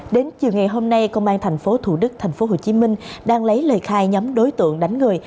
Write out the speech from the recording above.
đến chiều ngày hôm nay công an thành phố thủ đức thành phố hồ chí minh đang lấy lời khai nhóm đối tượng đánh người